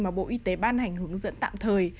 mà bộ y tế ban hành hướng dẫn tạm thời